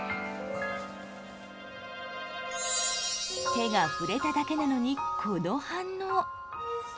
手が触れただけなのにこの反応。